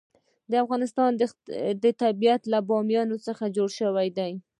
د افغانستان طبیعت له بامیان څخه جوړ شوی دی.